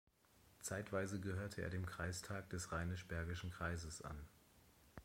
Zeitweise gehörte er dem Kreistag des Rheinisch-Bergischen Kreises an.